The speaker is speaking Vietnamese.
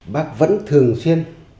bác vẫn thường xuyên